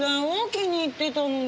気に入ってたのに。